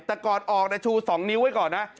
แต่ก่อนออกชู๒นิ้วไว้ก่อนนะ